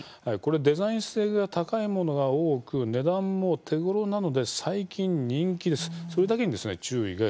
これはデザイン性が高いものが多く値段も手ごろなので最近、人気です。